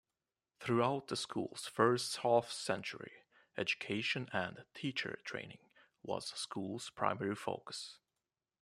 Throughout the school's first half-century, education and teacher training was school's primary focus.